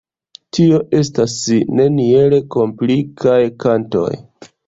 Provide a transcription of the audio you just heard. Tio estas neniel komplikaj kantoj.